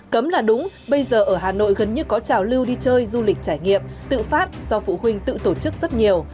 cấm là đúng bây giờ ở hà nội gần như có trào lưu đi chơi du lịch trải nghiệm tự phát do phụ huynh tự tổ chức rất nhiều